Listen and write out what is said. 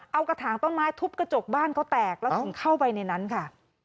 เอากระถางต้นไม้ทุบกระจกบ้านเขาแตกแล้วถึงเข้าไปในนั้นค่ะ